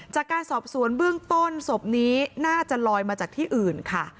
จากการสอบสวนเบื้องต้นศพนี้น่าจะลอยมาจากที่อื่นค่ะ